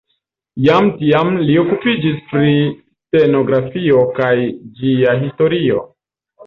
Jam tiam li okupiĝis pri stenografio kaj ĝia historio.